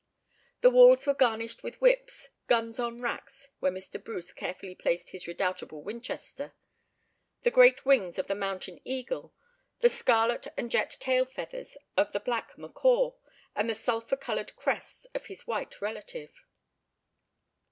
The walls were garnished with whips, guns on racks (where Mr. Bruce carefully placed his redoubtable Winchester), the great wings of the mountain eagle, the scarlet and jet tail feathers of the black macaw, and the sulphur coloured crests of his white relative.